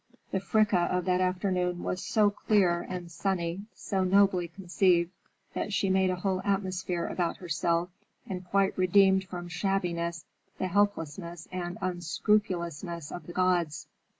The Fricka of that afternoon was so clear and sunny, so nobly conceived, that she made a whole atmosphere about herself and quite redeemed from shabbiness the helplessness and unscrupulousness of the gods.